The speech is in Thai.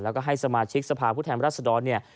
แล้วก็ให้สมาชิกสภาพผู้แทนรัศดรเนี่ย